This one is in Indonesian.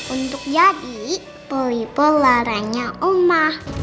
untuk jadi pelipul laranya ma